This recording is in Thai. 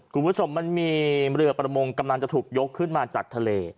คุณผู้ชมมันมีเรือประมงกำลังจะถูกยกขึ้นมาจากทะเล